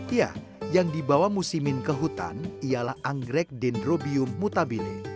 ya yang dibawa musimin ke hutan ialah anggrek dendrobium mutabine